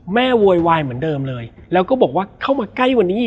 โวยวายเหมือนเดิมเลยแล้วก็บอกว่าเข้ามาใกล้วันนี้อีก